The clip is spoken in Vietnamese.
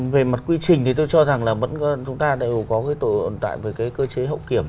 về mặt quy trình thì tôi cho rằng là vẫn chúng ta đều có cái tồn tại về cái cơ chế hậu kiểm